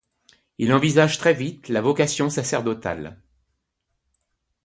Il envisage très vite la vocation sacerdotale.